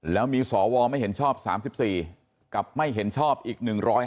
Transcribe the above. แล้วมีสวไม่เห็นชอบ๓๔กับไม่เห็นชอบอีก๑๕